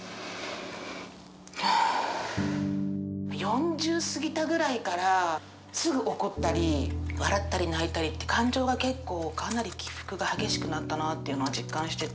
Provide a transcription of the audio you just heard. ４０過ぎたぐらいからすぐ怒ったり笑ったり泣いたりって感情が結構かなり起伏が激しくなったなっていうのは実感してて。